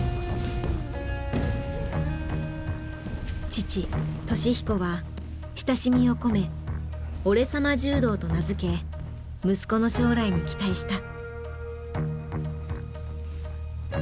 父稔彦は親しみを込め「俺様柔道」と名付け息子の将来に期待した。